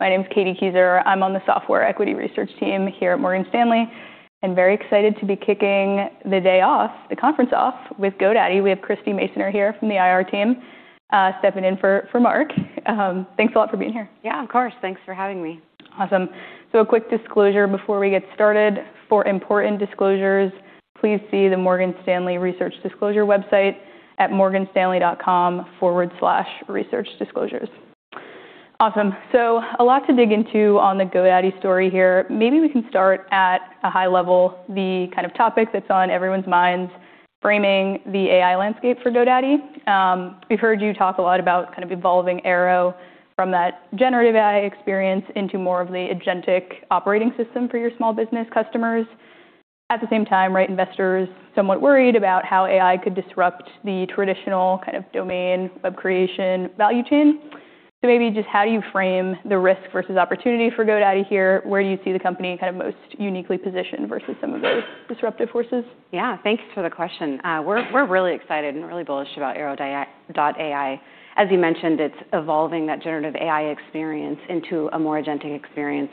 My name is Katie Keyser. I'm on the software equity research team here at Morgan Stanley. Very excited to be kicking the day off, the conference off with GoDaddy. We have Christie Masoner here from the IR team, stepping in for Mark. Thanks a lot for being here. Yeah, of course. Thanks for having me. Awesome. A quick disclosure before we get started. For important disclosures, please see the Morgan Stanley Research Disclosures website at morganstanley.com/online/researchdisclosures. Awesome. A lot to dig into on the GoDaddy story here. Maybe we can start at a high level, the kind of topic that's on everyone's minds, framing the AI landscape for GoDaddy. We've heard you talk a lot about kind of evolving Airo from that generative AI experience into more of the agentic operating system for your small business customers. At the same time, right, investors somewhat worried about how AI could disrupt the traditional kind of domain web creation value chain. Maybe just how do you frame the risk versus opportunity for GoDaddy here, where you see the company kind of most uniquely positioned versus some of those disruptive forces? Yeah. Thanks for the question. We're really excited and really bullish about Airo.ai. As you mentioned, it's evolving that generative AI experience into a more agentic experience.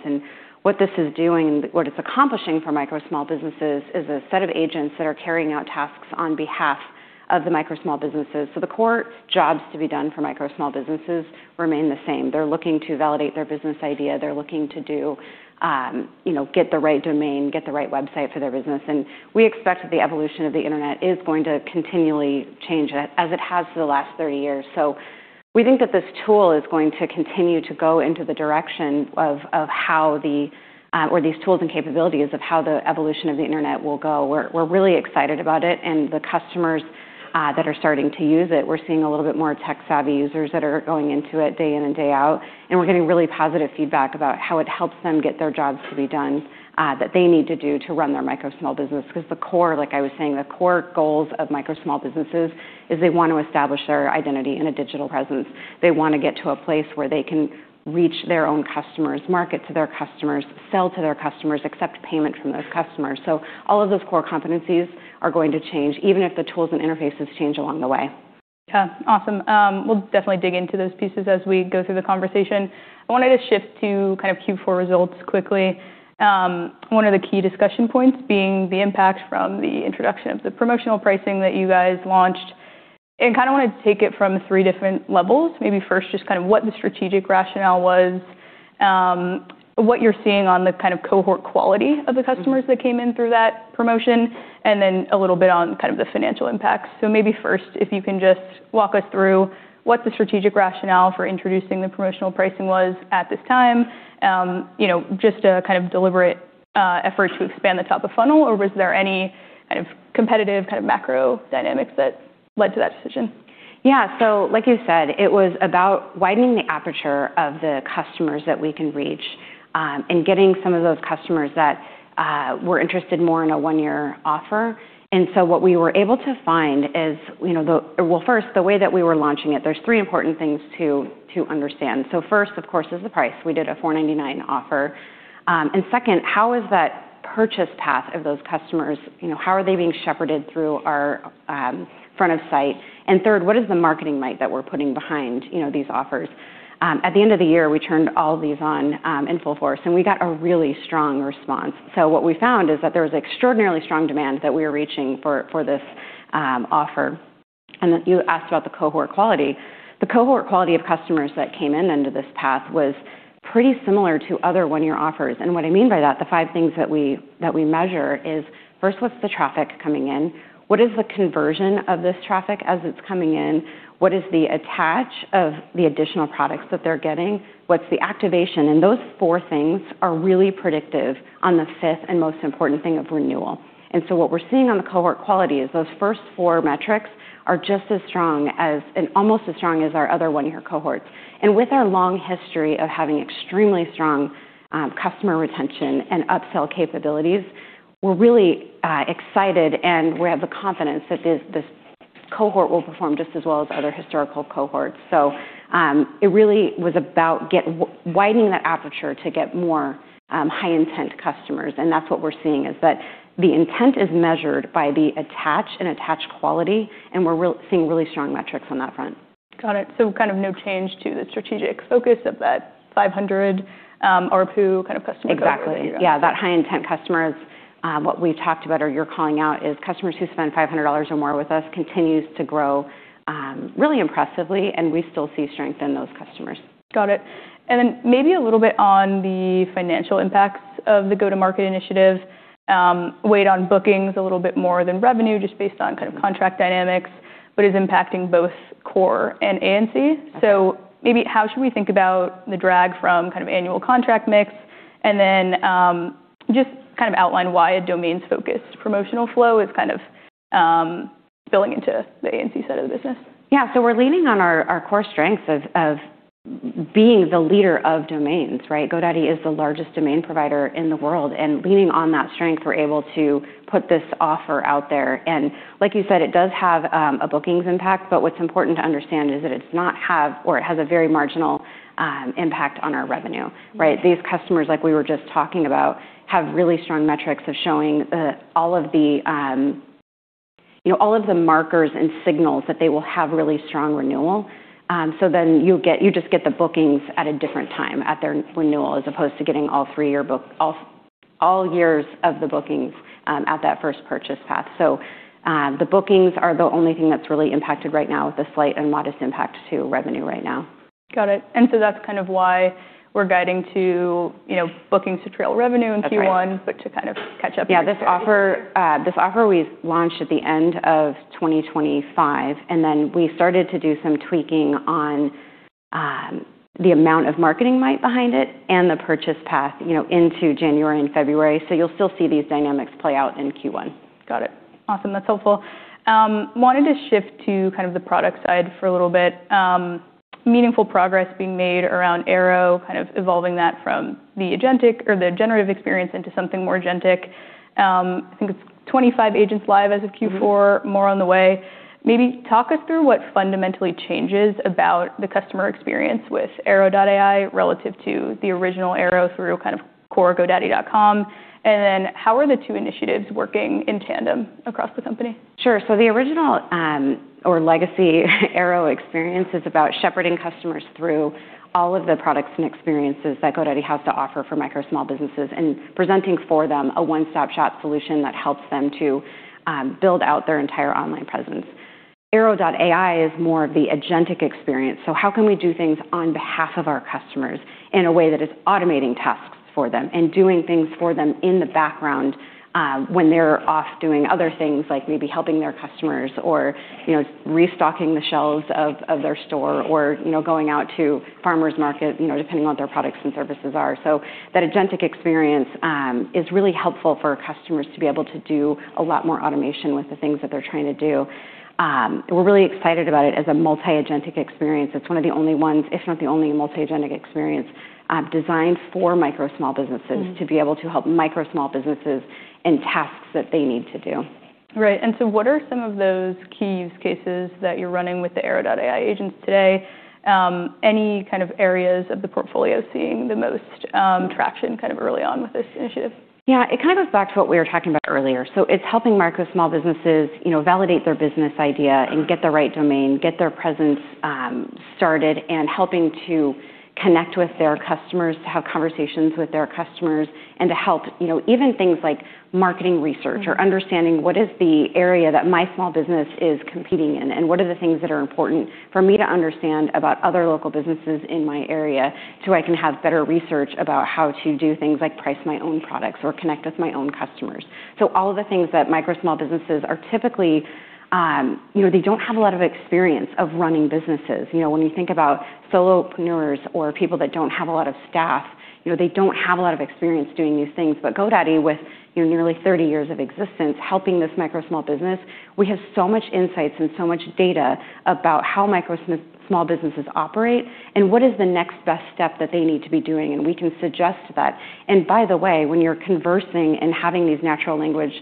What this is doing, what it's accomplishing for micro small businesses is a set of agents that are carrying out tasks on behalf of the micro small businesses. The core jobs to be done for micro small businesses remain the same. They're looking to validate their business idea. They're looking to do, you know, get the right domain, get the right website for their business. We expect that the evolution of the Internet is going to continually change as it has for the last 30 years. We think that this tool is going to continue to go into the direction of how the, or these tools and capabilities of how the evolution of the Internet will go. We're really excited about it and the customers that are starting to use it. We're seeing a little bit more tech-savvy users that are going into it day in and day out, and we're getting really positive feedback about how it helps them get their jobs to be done that they need to do to run their micro small business. The core, like I was saying, the core goals of micro small businesses is they want to establish their identity and a digital presence. They want to get to a place where they can reach their own customers, market to their customers, sell to their customers, accept payment from those customers. All of those core competencies are going to change, even if the tools and interfaces change along the way. Yeah. Awesome. We'll definitely dig into those pieces as we go through the conversation. I wanted to shift to kind of Q4 results quickly. One of the key discussion points being the impact from the introduction of the promotional pricing that you guys launched. Kind of want to take it from 3 different levels. Maybe first, just kind of what the strategic rationale was, what you're seeing on the kind of cohort quality of the customers that came in through that promotion, and then a little bit on kind of the financial impacts. Maybe first, if you can just walk us through what the strategic rationale for introducing the promotional pricing was at this time, you know, just a kind of deliberate effort to expand the top of funnel, or was there any kind of competitive kind of macro dynamics that led to that decision? Like you said, it was about widening the aperture of the customers that we can reach, and getting some of those customers that were interested more in a one-year offer. What we were able to find is, you know, Well, first, the way that we were launching it, there's three important things to understand. First, of course, is the price. We did a $4.99 offer. Second, how is that purchase path of those customers? You know, how are they being shepherded through our front of site? Third, what is the marketing might that we're putting behind, you know, these offers? At the end of the year, we turned all of these on in full force, and we got a really strong response. What we found is that there was extraordinarily strong demand that we were reaching for this offer. You asked about the cohort quality. The cohort quality of customers that came in under this path was pretty similar to other one-year offers. What I mean by that, the five things that we measure is, first, what's the traffic coming in? What is the conversion of this traffic as it's coming in? What is the attach of the additional products that they're getting? What's the activation? Those four things are really predictive on the fifth and most important thing of renewal. What we're seeing on the cohort quality is those first four metrics are just as strong as, and almost as strong as our other one-year cohorts. With our long history of having extremely strong customer retention and upsell capabilities, we're really excited, and we have the confidence that this cohort will perform just as well as other historical cohorts. It really was about widening that aperture to get more high-intent customers. That's what we're seeing, is that the intent is measured by the attach and attach quality, and we're seeing really strong metrics on that front. Got it. Kind of no change to the strategic focus of that 500 ARPU kind of customer. Exactly. profile. Yeah. Yeah. That high-intent customers, what we've talked about or you're calling out is customers who spend $500 or more with us continues to grow, really impressively, and we still see strength in those customers. Got it. Then maybe a little bit on the financial impacts of the go-to-market initiative, weighed on bookings a little bit more than revenue, just based on kind of contract dynamics, but is impacting both Core and A&C. Maybe how should we think about the drag from kind of annual contract mix? Then just kind of outline why a domains-focused promotional flow is kind of spilling into the A&C side of the business. Yeah. We're leaning on our core strengths of being the leader of domains, right? GoDaddy is the largest domain provider in the world. Leaning on that strength, we're able to put this offer out there. Like you said, it does have a bookings impact, but what's important to understand is that it does not have or it has a very marginal impact on our revenue, right? These customers, like we were just talking about, have really strong metrics of showing all of the, you know, all of the markers and signals that they will have really strong renewal. You just get the bookings at a different time at their renewal, as opposed to getting all years of the bookings at that first purchase path. The bookings are the only thing that's really impacted right now with a slight and modest impact to revenue right now. Got it. That's kind of why we're guiding to, you know, bookings to trail revenue in Q1. That's right. To kind of catch up here. Yeah. This offer we launched at the end of 2025. We started to do some tweaking on the amount of marketing might behind it and the purchase path, you know, into January and February. You'll still see these dynamics play out in Q1. Got it. Awesome. That's helpful. Wanted to shift to kind of the product side for a little bit. Meaningful progress being made around Airo, kind of evolving that from the agentic or the generative experience into something more agentic. I think it's 25 agents live as of Q4. More on the way. Maybe talk us through what fundamentally changes about the customer experience with Airo.ai relative to the original Airo through kind of core GoDaddy.com. How are the two initiatives working in tandem across the company? Sure. The original, or legacy Airo experience is about shepherding customers through all of the products and experiences that GoDaddy has to offer for micro small businesses and presenting for them a one-stop shop solution that helps them to build out their entire online presence. Airo.ai is more of the agentic experience. How can we do things on behalf of our customers in a way that is automating tasks for them and doing things for them in the background, when they're off doing other things like maybe helping their customers or, you know, restocking the shelves of their store or, you know, going out to farmers market, depending on what their products and services are. That agentic experience is really helpful for customers to be able to do a lot more automation with the things that they're trying to do. We're really excited about it as a multi-agentic experience. It's one of the only ones, if not the only multi-agentic experience, designed for micro small businesses. -to be able to help micro small businesses in tasks that they need to do. Right. What are some of those key use cases that you're running with the Airo.ai agents today? Any kind of areas of the portfolio seeing the most traction kind of early on with this initiative? Yeah. It kind of goes back to what we were talking about earlier. It's helping micro small businesses, you know, validate their business idea and get the right domain, get their presence started, and helping to connect with their customers, to have conversations with their customers, and to help, you know, even things like marketing research or understanding what is the area that my small business is competing in, and what are the things that are important for me to understand about other local businesses in my area, so I can have better research about how to do things like price my own products or connect with my own customers. All of the things that micro small businesses are typically, you know, they don't have a lot of experience of running businesses. You know, when you think about solopreneurs or people that don't have a lot of staff, you know, they don't have a lot of experience doing these things. GoDaddy, with, you know, nearly 30 years of existence, helping this micro small business, we have so much insights and so much data about how micro small businesses operate and what is the next best step that they need to be doing, and we can suggest that. By the way, when you're conversing and having these natural language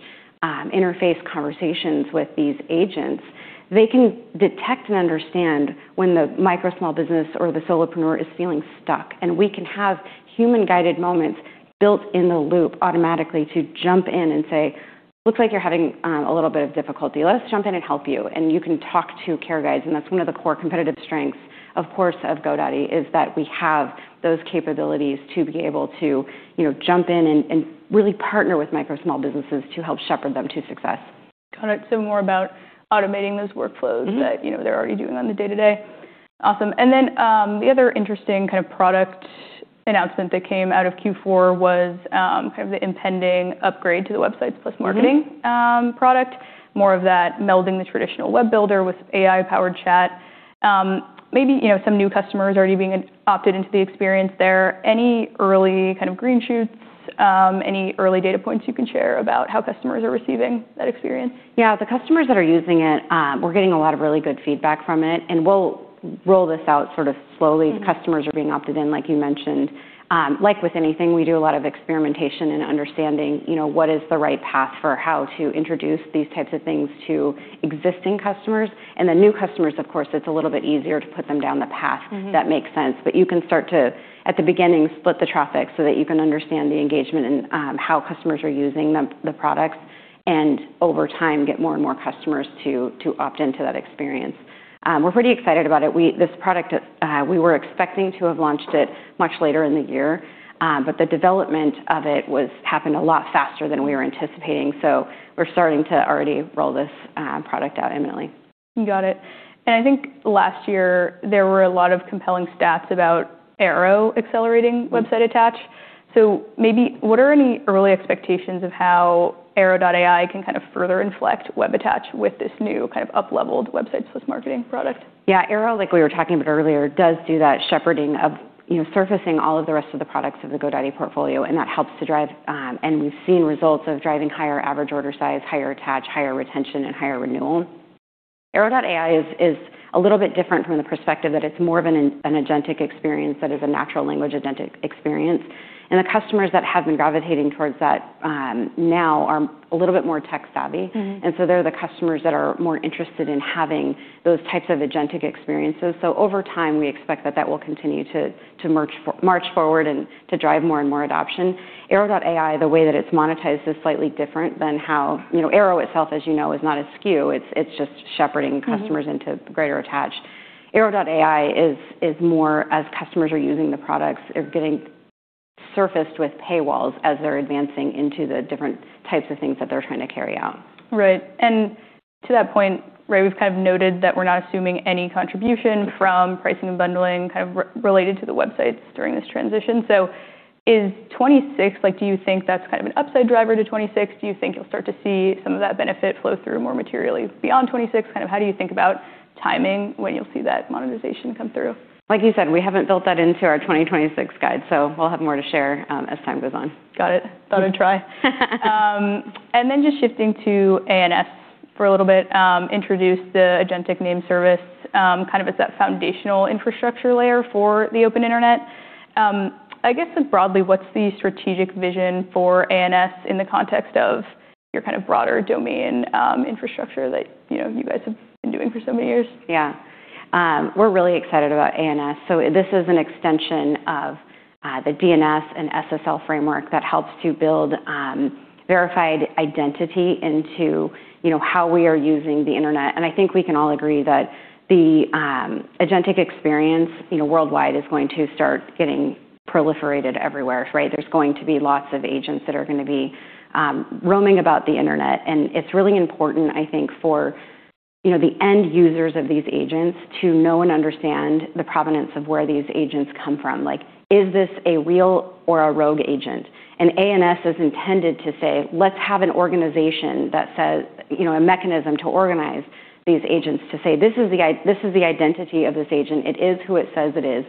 interface conversations with these agents, they can detect and understand when the micro small business or the solopreneur is feeling stuck. We can have human-guided moments built in the loop automatically to jump in and say, "Looks like you're having a little bit of difficulty. Let us jump in and help you." You can talk to GoDaddy Guides, and that's one of the core competitive strengths, of course, of GoDaddy, is that we have those capabilities to be able to, you know, jump in and really partner with micro small businesses to help shepherd them to success. Got it. More about automating those workflows. That, you know, they're already doing on the day-to-day. Awesome. The other interesting kind of product announcement that came out of Q4 was kind of the impending upgrade to the Websites + Marketing product. More of that melding the traditional web builder with AI-powered chat. Maybe, you know, some new customers already being opted into the experience there. Any early kind of green shoots? Any early data points you can share about how customers are receiving that experience? Yeah. The customers that are using it, we're getting a lot of really good feedback from it, and we'll roll this out sort of slowly. Customers are being opted in, like you mentioned. like with anything, we do a lot of experimentation and understanding, you know, what is the right path for how to introduce these types of things to existing customers. The new customers, of course, it's a little bit easier to put them down the path. that makes sense. You can start to, at the beginning, split the traffic so that you can understand the engagement and how customers are using the products and over time get more and more customers to opt into that experience. We're pretty excited about it. This product, we were expecting to have launched it much later in the year, but the development of it happened a lot faster than we were anticipating, so we're starting to already roll this product out imminently. Got it. I think last year there were a lot of compelling stats about Airo accelerating website attach. Maybe what are any early expectations of how Airo.ai can kind of further inflect web attach with this new kind of up-leveled Websites + Marketing product? Yeah. Airo, like we were talking about earlier, does do that shepherding of, you know, surfacing all of the rest of the products of the GoDaddy portfolio, and that helps to drive, and we've seen results of driving higher average order size, higher attach, higher retention, and higher renewal. Airo.ai is a little bit different from the perspective that it's more of an agentic experience that is a natural language agentic experience. The customers that have been gravitating towards that, now are a little bit more tech-savvy. They're the customers that are more interested in having those types of agentic experiences. Over time, we expect that that will continue to march forward and to drive more and more adoption. Airo.ai, the way that it's monetized is slightly different than how... You know, Airo itself, as you know, is not a SKU. It's just shepherding customers. -into greater attach. Airo.ai is more as customers are using the products are getting surfaced with paywalls as they're advancing into the different types of things that they're trying to carry out. To that point, right, we've kind of noted that we're not assuming any contribution from pricing and bundling related to the websites during this transition. Is 2026? Like do you think that's kind of an upside driver to 2026? Do you think you'll start to see some of that benefit flow through more materially beyond 2026? Kind of how do you think about timing when you'll see that monetization come through? Like you said, we haven't built that into our 2026 guide, so we'll have more to share, as time goes on. Got it. Thought I'd try. Then just shifting to A&C for a little bit, introduced the Agentic Name Service, kind of it's that foundational infrastructure layer for the open internet. I guess just broadly, what's the strategic vision for A&C in the context of your kind of broader domain, infrastructure that, you know, you guys have been doing for so many years? Yeah. We're really excited about A&C. This is an extension of the DNS and SSL framework that helps to build verified identity into, you know, how we are using the internet. I think we can all agree that the agentic experience, you know, worldwide is going to start getting proliferated everywhere, right? There's going to be lots of agents that are gonna be roaming about the internet. It's really important, I think, for, you know, the end users of these agents to know and understand the provenance of where these agents come from. Like, is this a real or a rogue agent? A&C is intended to say, let's have an organization that says, you know, a mechanism to organize these agents to say, "This is the identity of this agent... It is who it says it is.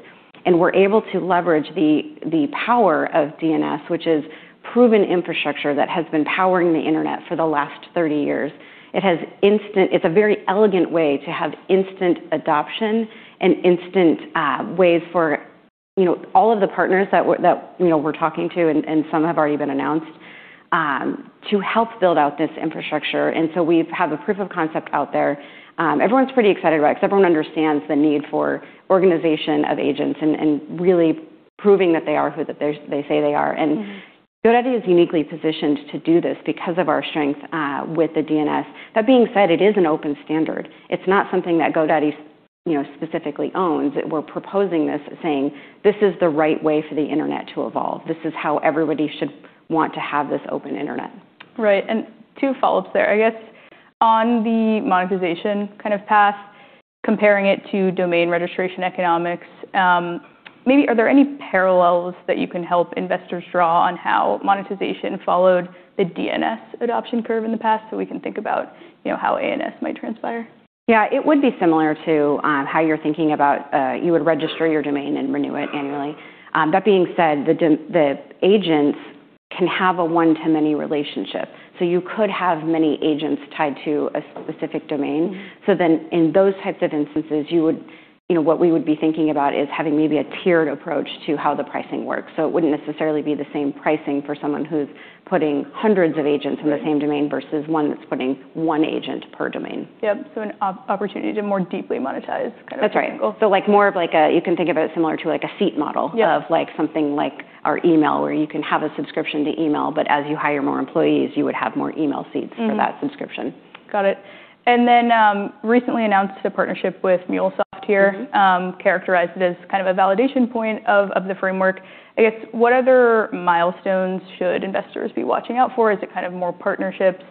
We're able to leverage the power of DNS, which is proven infrastructure that has been powering the internet for the last 30 years. It's a very elegant way to have instant adoption and instant ways for, you know, all of the partners that we're, you know, we're talking to, and some have already been announced, to help build out this infrastructure. We have a proof of concept out there. Everyone's pretty excited about it because everyone understands the need for organization of agents and really proving that they are who they say they are. GoDaddy is uniquely positioned to do this because of our strength with the DNS. That being said, it is an open standard. It's not something that GoDaddy, you know, specifically owns. We're proposing this saying, "This is the right way for the internet to evolve. This is how everybody should want to have this open internet. Right. Two follow-ups there. I guess on the monetization kind of path, comparing it to domain registration economics, maybe are there any parallels that you can help investors draw on how monetization followed the DNS adoption curve in the past, so we can think about, you know, how A&C might transpire? It would be similar to how you're thinking about you would register your domain and renew it annually. That being said, the agents can have a one-to-many relationship. You could have many agents tied to a specific domain. In those types of instances, you would, you know, what we would be thinking about is having maybe a tiered approach to how the pricing works. It wouldn't necessarily be the same pricing for someone who's putting hundreds of agents- Right in the same domain versus one that's putting one agent per domain. Yep. An opportunity to more deeply monetize kind of angle. That's right. Like more of like You can think of it similar to like a seat model. Yeah... of like something like our email, where you can have a subscription to email, but as you hire more employees, you would have more email seats... for that subscription. Got it. Recently announced a partnership with MuleSoft here. characterized it as kind of a validation point of the framework. I guess what other milestones should investors be watching out for? Is it kind of more partnerships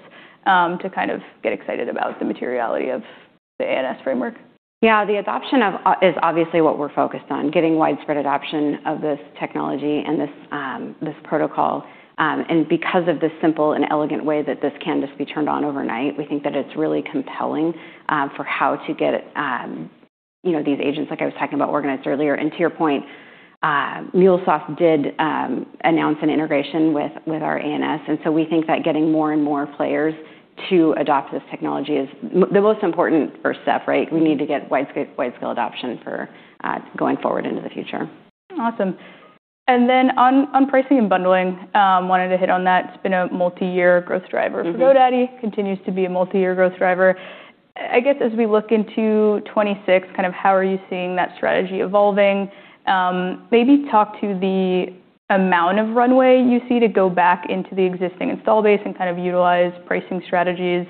to kind of get excited about the materiality of the A&C framework? Yeah. The adoption is obviously what we're focused on, getting widespread adoption of this technology and this protocol. Because of the simple and elegant way that this can just be turned on overnight, we think that it's really compelling, for how to get, you know, these agents, like I was talking about organized earlier. To your point, MuleSoft did announce an integration with our A&C. We think that getting more and more players to adopt this technology is the most important first step, right? We need to get widescale adoption for going forward into the future. Awesome. On pricing and bundling, wanted to hit on that. It's been a multi-year growth driver-... for GoDaddy, continues to be a multi-year growth driver. I guess as we look into 2026, kind of how are you seeing that strategy evolving? Maybe talk to the amount of runway you see to go back into the existing install base and kind of utilize pricing strategies.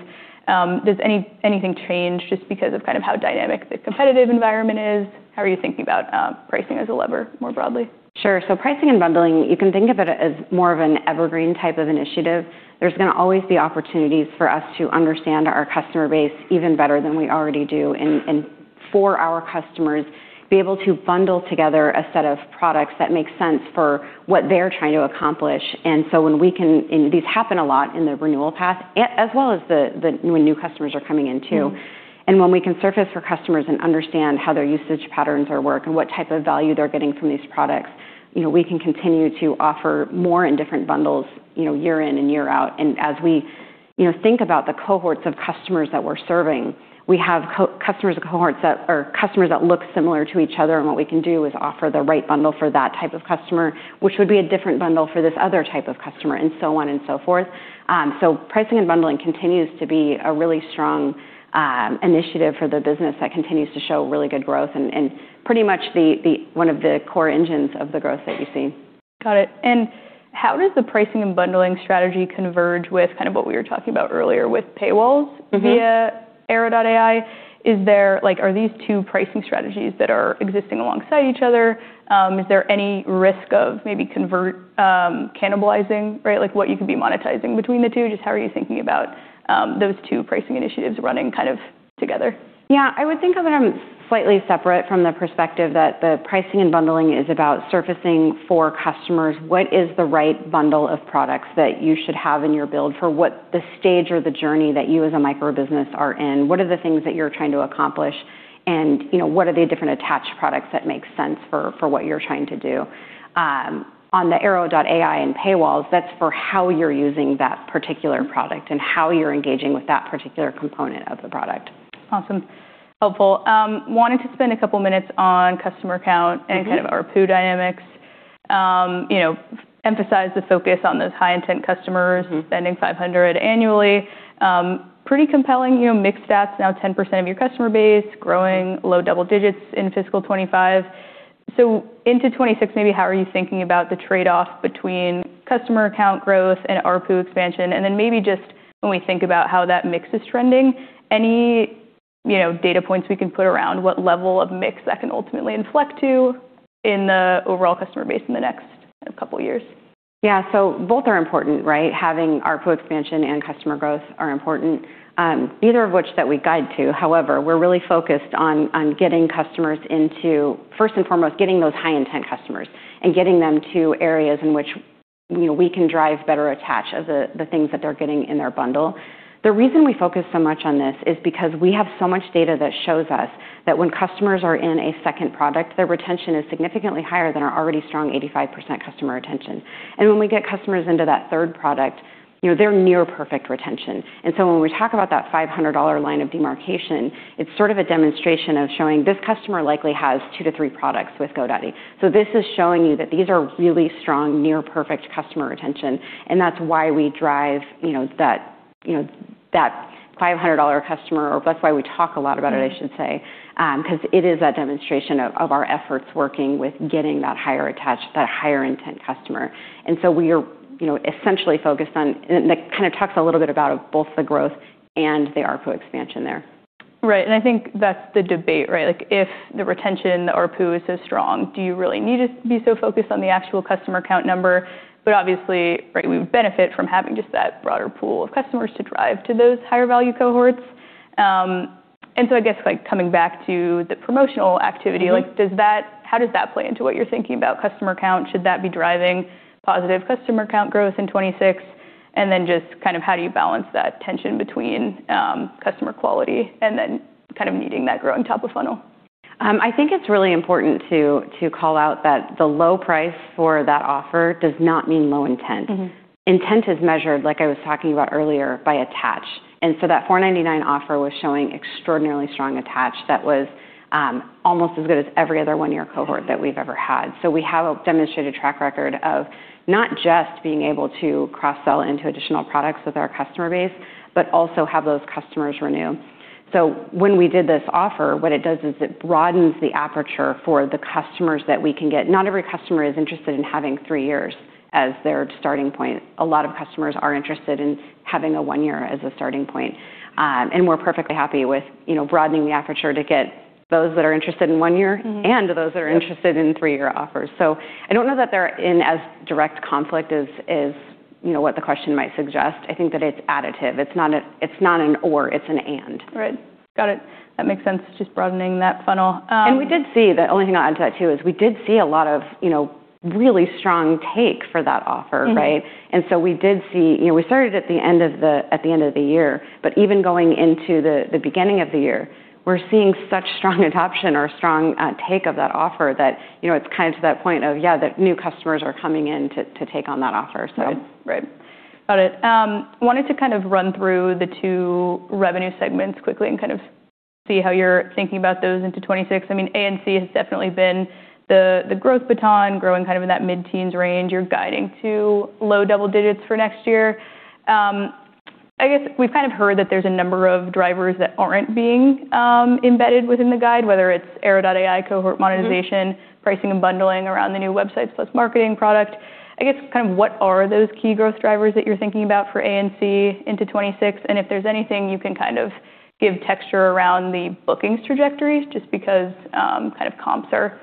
Does anything change just because of kind of how dynamic the competitive environment is? How are you thinking about pricing as a lever more broadly? Pricing and bundling, you can think of it as more of an evergreen type of initiative. There's gonna always be opportunities for us to understand our customer base even better than we already do, and for our customers be able to bundle together a set of products that make sense for what they're trying to accomplish. These happen a lot in the renewal path as well as the when new customers are coming in too. When we can surface for customers and understand how their usage patterns are working, what type of value they're getting from these products, you know, we can continue to offer more in different bundles, you know, year in and year out. As we, you know, think about the cohorts of customers that we're serving, we have customers that look similar to each other, and what we can do is offer the right bundle for that type of customer, which would be a different bundle for this other type of customer, and so on and so forth. Pricing and bundling continues to be a really strong initiative for the business that continues to show really good growth and pretty much one of the core engines of the growth that you see. Got it. How does the pricing and bundling strategy converge with kind of what we were talking about earlier with paywalls via Airo.ai? Are these two pricing strategies that are existing alongside each other? Is there any risk of cannibalizing, right? Like, what you could be monetizing between the two? Just how are you thinking about those two pricing initiatives running kind of together? Yeah. I would think of it as slightly separate from the perspective that the pricing and bundling is about surfacing for customers what is the right bundle of products that you should have in your build for what the stage or the journey that you as a micro-business are in. What are the things that you're trying to accomplish? You know, what are the different attached products that make sense for what you're trying to do? On the Airo.ai and paywalls, that's for how you're using that particular product and how you're engaging with that particular component of the product. Awesome. Helpful. wanted to spend a couple minutes on customer count- kind of ARPU dynamics. You know, emphasize the focus on those high-intent customers. spending $500 annually. Pretty compelling, you know, mixed stats, now 10% of your customer base, growing low double digits in fiscal 2025. Into 2026, maybe how are you thinking about the trade-off between customer account growth and ARPU expansion? Maybe just when we think about how that mix is trending, any, you know, data points we can put around what level of mix that can ultimately inflect to in the overall customer base in the next couple years. Yeah. Both are important, right? Having ARPU expansion and customer growth are important, neither of which that we guide to. However, we're really focused on getting customers first and foremost, getting those high-intent customers and getting them to areas in which, you know, we can drive better attach of the things that they're getting in their bundle. The reason we focus so much on this is because we have so much data that shows us that when customers are in a second product, their retention is significantly higher than our already strong 85% customer retention. When we get customers into that third product, you know, they're near perfect retention. When we talk about that $500 line of demarcation, it's sort of a demonstration of showing this customer likely has two to three products with GoDaddy. This is showing you that these are really strong, near perfect customer retention, and that's why we drive, you know, that, you know, that $500 customer, or that's why we talk a lot about it, I should say, because it is a demonstration of our efforts working with getting that higher attach, that higher intent customer. That kind of talks a little bit about both the growth and the ARPU expansion there. Right. I think that's the debate, right? Like, if the retention, the ARPU is so strong, do you really need to be so focused on the actual customer count number? Obviously, right, we would benefit from having just that broader pool of customers to drive to those higher value cohorts. I guess, like, coming back to the promotional activity- Like, how does that play into what you're thinking about customer count? Should that be driving positive customer count growth in 2026? Just kind of how do you balance that tension between customer quality and then kind of needing that growing top of funnel? I think it's really important to call out that the low price for that offer does not mean low intent. Intent is measured, like I was talking about earlier, by attach. That $4.99 offer was showing extraordinarily strong attach that was almost as good as every other one-year cohort that we've ever had. We have a demonstrated track record of not just being able to cross-sell into additional products with our customer base, but also have those customers renew. When we did this offer, what it does is it broadens the aperture for the customers that we can get. Not every customer is interested in having three years as their starting point. A lot of customers are interested in having a one-year as a starting point. We're perfectly happy with, you know, broadening the aperture to get those that are interested in one year. those that are interested. Yep. -in three-year offers. I don't know that they're in as direct conflict as, you know, what the question might suggest. I think that it's additive. It's not an or, it's an and. Right. Got it. That makes sense. Just broadening that funnel. The only thing I'll add to that too is we did see a lot of, you know, really strong take for that offer, right? We did see, You know, we started at the end of the year, but even going into the beginning of the year, we're seeing such strong adoption or strong, take of that offer that, you know, it's kind of to that point of, yeah, the new customers are coming in to take on that offer, so. Right. Got it. wanted to kind of run through the two revenue segments quickly and kind of see how you're thinking about those into 2026. I mean, A&C has definitely been the growth baton growing kind of in that mid-teens range. You're guiding to low double digits for next year. I guess we've kind of heard that there's a number of drivers that aren't being embedded within the guide, whether it's Airo.ai cohort monetization- pricing and bundling around the new Websites + Marketing product. I guess kind of what are those key growth drivers that you're thinking about for A&C into 2026? If there's anything you can kind of give texture around the bookings trajectories, just because kind of comps are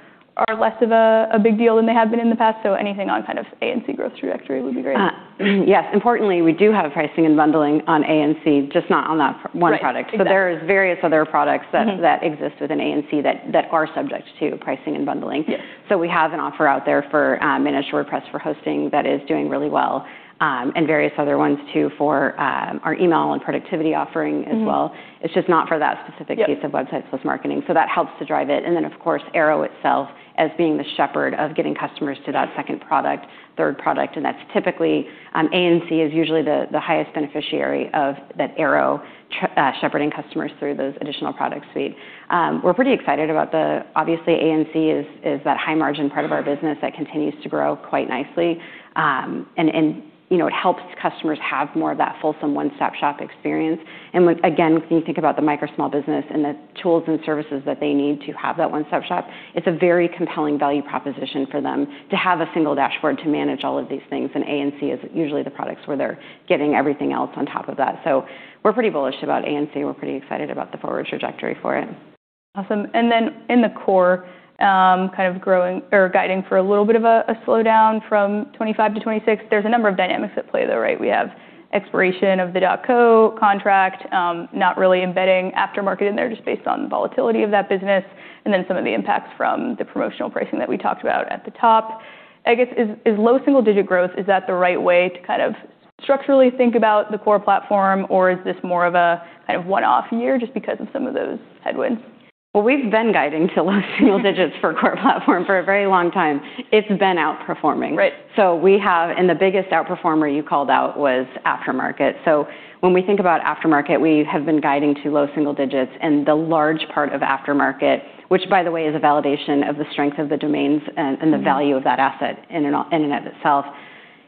less of a big deal than they have been in the past. Anything on kind of A&C growth trajectory would be great. yes. Importantly, we do have pricing and bundling on A&C, just not on that one product. Right. Exactly. There is various other products. that exist within A&C that are subject to pricing and bundling. Yes. We have an offer out there for, Managed WordPress for hosting that is doing really well, and various other ones too for, our email and productivity offering as well. It's just not for that specific case. Yep. -of Websites + Marketing, that helps to drive it. Of course, Airo itself as being the shepherd of getting customers to that second product, third product, and that's typically, A&C is usually the highest beneficiary of that Airo shepherding customers through those additional product suite. We're pretty excited about the... Obviously A&C is that high margin part of our business that continues to grow quite nicely. You know, it helps customers have more of that fulsome one-stop-shop experience. With, again, when you think about the micro-small business and the tools and services that they need to have that one-stop shop, it's a very compelling value proposition for them to have a single dashboard to manage all of these things. A&C is usually the products where they're getting everything else on top of that. We're pretty bullish about A&C. We're pretty excited about the forward trajectory for it. Awesome. Then in the Core Platform, kind of growing or guiding for a little bit of a slowdown from 25 to 26. There's a number of dynamics at play, though, right? We have expiration of the .co contract, not really embedding aftermarket in there just based on the volatility of that business and then some of the impacts from the promotional pricing that we talked about at the top. I guess is low single-digit growth, is that the right way to kind of structurally think about the Core Platform, or is this more of a kind of one-off year just because of some of those headwinds? Well, we've been guiding to low single digits for Core Platform for a very long time. It's been outperforming. Right. We have. The biggest outperformer you called out was aftermarket. When we think about aftermarket, we have been guiding to low single digits. The large part of aftermarket, which by the way, is a validation of the strength of the domains and the value of that asset in and of itself.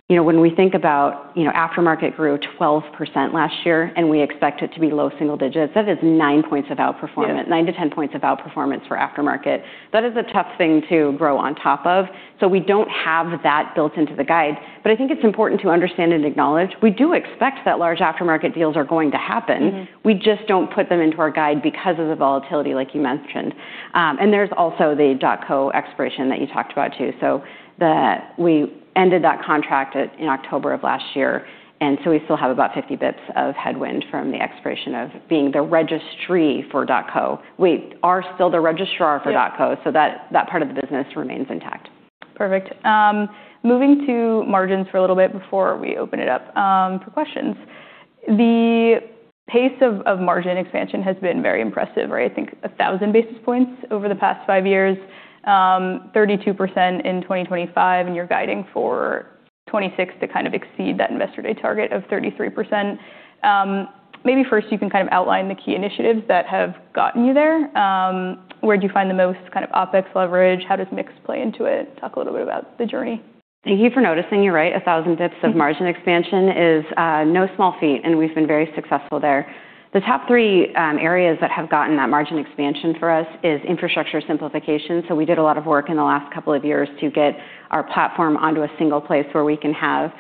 You know, when we think about, you know, aftermarket grew 12% last year, and we expect it to be low single digits, that is 9 points of outperformance. Yeah. 9-10 points of outperformance for aftermarket. That is a tough thing to grow on top of. We don't have that built into the guide. I think it's important to understand and acknowledge, we do expect that large aftermarket deals are going to happen. We just don't put them into our guide because of the volatility, like you mentioned. There's also the .co expiration that you talked about too. We ended that contract in October of last year, we still have about 50 basis points of headwind from the expiration of being the registry for .co. We are still the registrar for .co. Yeah. That part of the business remains intact. Perfect. Moving to margins for a little bit before we open it up for questions. The pace of margin expansion has been very impressive, right? I think 1,000 basis points over the past 5 years, 32% in 2025, and you're guiding for 2026 to kind of exceed that Investor Day target of 33%. Maybe first you can kind of outline the key initiatives that have gotten you there. Where do you find the most kind of OpEx leverage? How does mix play into it? Talk a little bit about the journey. Thank you for noticing. You're right, 1,000 basis points of margin expansion is no small feat, and we've been very successful there. The top three areas that have gotten that margin expansion for us is infrastructure simplification. We did a lot of work in the last 2 years to get our platform onto a single place where we can have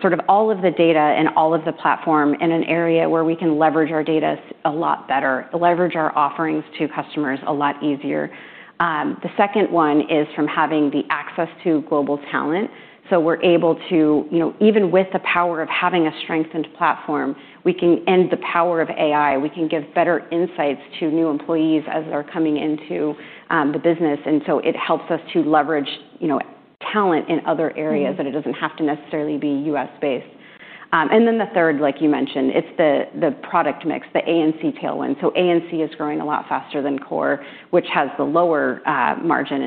sort of all of the data and all of the platform in an area where we can leverage our data a lot better, leverage our offerings to customers a lot easier. The second one is from having the access to global talent. We're able to, you know, even with the power of having a strengthened platform, and the power of AI, we can give better insights to new employees as they're coming into the business. It helps us to leverage, you know, talent in other areas. It doesn't have to necessarily be U.S.-based. Then the third, like you mentioned, it's the product mix, the A&C tailwind. A&C is growing a lot faster than core, which has the lower margin.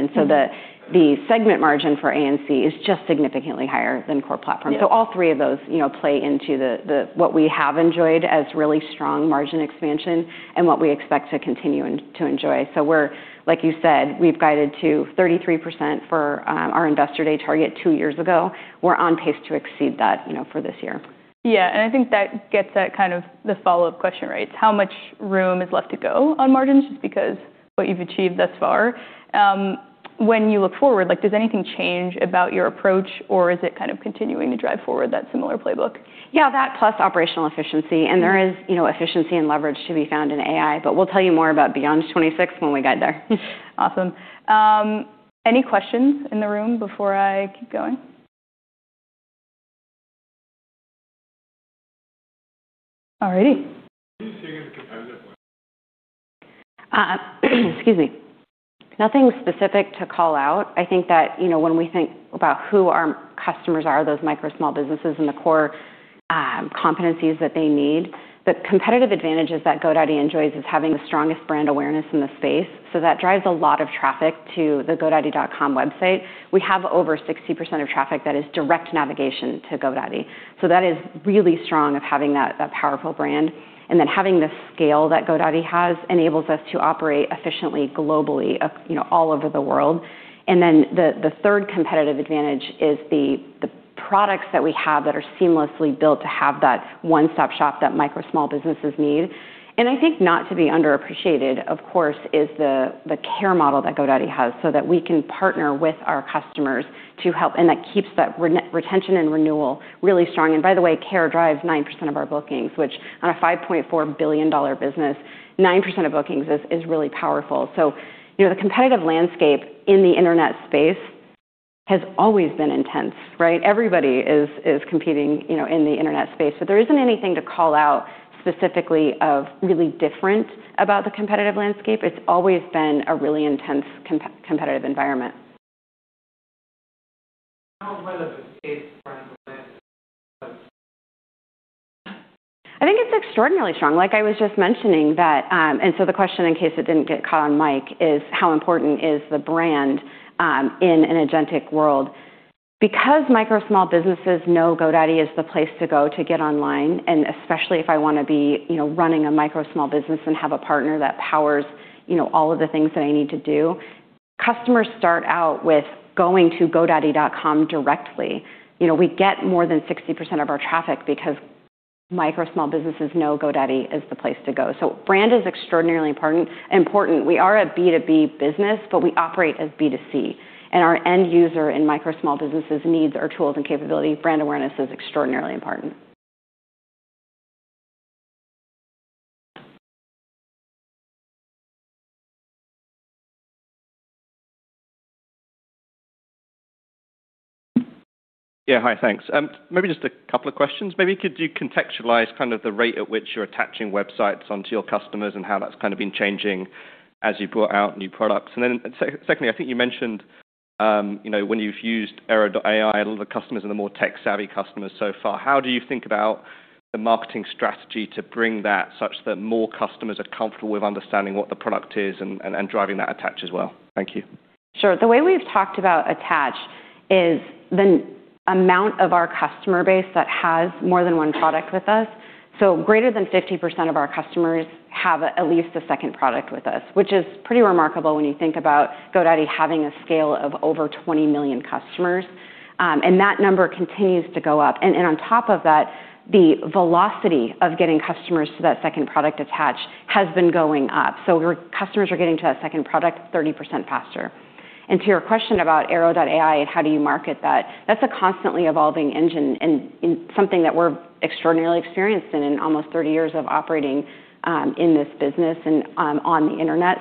The segment margin for A&C is just significantly higher than Core Platform. Yeah. All three of those, you know, play into what we have enjoyed as really strong margin expansion and what we expect to continue to enjoy. We're, like you said, we've guided to 33% for our Investor Day target two years ago. We're on pace to exceed that, you know, for this year. Yeah. I think that gets at kind of the follow-up question, right? How much room is left to go on margins just because what you've achieved thus far? When you look forward, like, does anything change about your approach, or is it kind of continuing to drive forward that similar playbook? Yeah, that plus operational efficiency. There is, you know, efficiency and leverage to be found in AI, but we'll tell you more about beyond 26 when we get there. Awesome. Any questions in the room before I keep going? All righty. Can you say anything competitive? Excuse me. Nothing specific to call out. I think that, you know, when we think about who our customers are, those micro small businesses, and the core competencies that they need. The competitive advantages that GoDaddy enjoys is having the strongest brand awareness in the space, so that drives a lot of traffic to the GoDaddy.com website. We have over 60% of traffic that is direct navigation to GoDaddy. That is really strong of having that powerful brand. Having the scale that GoDaddy has enables us to operate efficiently globally, you know, all over the world. The third competitive advantage is the products that we have that are seamlessly built to have that one-stop shop that micro small businesses need. I think not to be underappreciated, of course, is the care model that GoDaddy has so that we can partner with our customers to help. That keeps that retention and renewal really strong. By the way, care drives 9% of our bookings, which on a $5.4 billion business, 9% of bookings is really powerful. You know, the competitive landscape in the internet space has always been intense, right? Everybody is competing, you know, in the internet space. There isn't anything to call out specifically of really different about the competitive landscape. It's always been a really intense competitive environment. How relevant is brand awareness? I think it's extraordinarily strong. Like I was just mentioning that. The question, in case it didn't get caught on mic, is how important is the brand in an agentic world? Because micro small businesses know GoDaddy is the place to go to get online, and especially if I wanna be, you know, running a micro small business and have a partner that powers, you know, all of the things that I need to do, customers start out with going to GoDaddy.com directly. You know, we get more than 60% of our traffic because micro small businesses know GoDaddy is the place to go. Brand is extraordinarily important. We are a B2B business, but we operate as B2C, and our end user in micro small businesses needs our tools and capability. Brand awareness is extraordinarily important. Yeah. Hi. Thanks. Maybe just a couple of questions. Maybe could you contextualize kind of the rate at which you're attaching websites onto your customers and how that's kinda been changing as you put out new products? Secondly, I think you mentioned, you know, when you've used Airo.ai, a lot of the customers are the more tech-savvy customers so far. How do you think about the marketing strategy to bring that such that more customers are comfortable with understanding what the product is and driving that attach as well? Thank you. Sure. The way we've talked about attach is the amount of our customer base that has more than one product with us. Greater than 50% of our customers have at least a second product with us, which is pretty remarkable when you think about GoDaddy having a scale of over 20 million customers. And that number continues to go up. On top of that, the velocity of getting customers to that second product attach has been going up. Your customers are getting to that second product 30% faster. To your question about Airo.ai and how do you market that's a constantly evolving engine and something that we're extraordinarily experienced in almost 30 years of operating in this business and on the internet.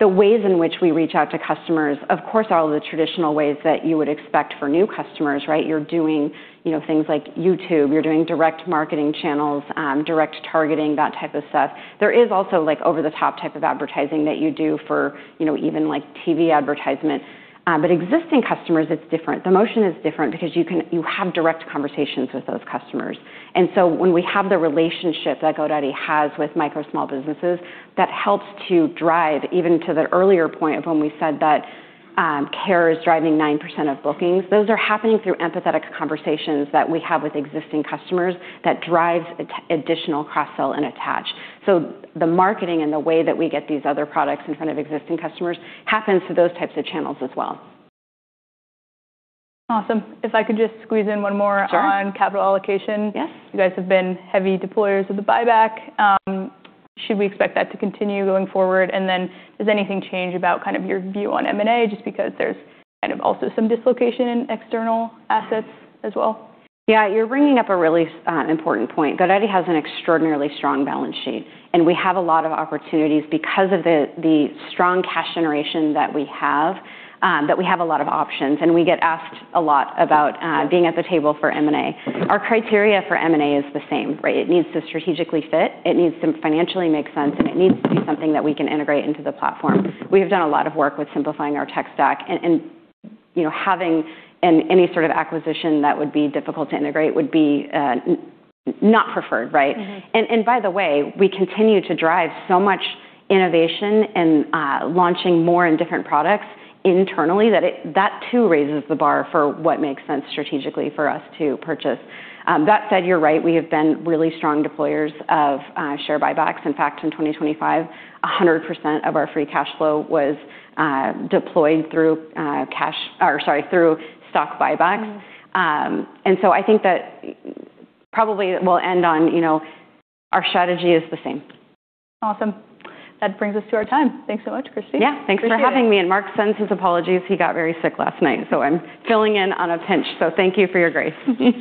The ways in which we reach out to customers, of course, all the traditional ways that you would expect for new customers, right? You're doing, you know, things like YouTube, you're doing direct marketing channels, direct targeting, that type of stuff. There is also, like, over-the-top type of advertising that you do for, you know, even, like, TV advertisement. Existing customers, it's different. The motion is different because you have direct conversations with those customers. When we have the relationship that GoDaddy has with micro small businesses, that helps to drive even to the earlier point of when we said that, care is driving 9% of bookings. Those are happening through empathetic conversations that we have with existing customers that drives additional cross-sell and attach. The marketing and the way that we get these other products in front of existing customers happens through those types of channels as well. Awesome. If I could just squeeze in one more. Sure. on capital allocation. Yes. You guys have been heavy deployers of the buyback. Should we expect that to continue going forward? Has anything changed about kind of your view on M&A just because there's kind of also some dislocation in external assets as well? You're bringing up a really important point. GoDaddy has an extraordinarily strong balance sheet, and we have a lot of opportunities because of the strong cash generation that we have, that we have a lot of options, and we get asked a lot about being at the table for M&A. Our criteria for M&A is the same, right? It needs to strategically fit, it needs to financially make sense, and it needs to be something that we can integrate into the platform. We have done a lot of work with simplifying our tech stack and, you know, having any sort of acquisition that would be difficult to integrate would be not preferred, right? By the way, we continue to drive so much innovation and launching more and different products internally that too raises the bar for what makes sense strategically for us to purchase. That said, you're right. We have been really strong deployers of share buybacks. In fact, in 2025, 100% of our free cash flow was deployed through cash. Sorry, through stock buybacks. I think that probably we'll end on, you know, our strategy is the same. Awesome. That brings us to our time. Thanks so much, Christie. Yeah. Appreciate it. Thanks for having me. Mark sends his apologies. He got very sick last night, so I'm filling in on a pinch. Thank you for your grace.